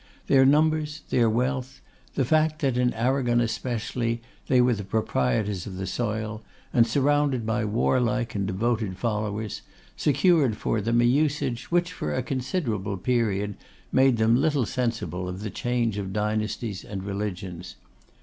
Their numbers, their wealth, the fact that, in Arragon especially, they were the proprietors of the soil, and surrounded by warlike and devoted followers, secured for them an usage which, for a considerable period, made them little sensible of the change of dynasties and religions.